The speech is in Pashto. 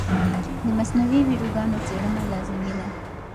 د مصنوعي ویډیوګانو څېړنه لازمي ده.